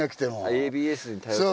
ＡＢＳに頼って。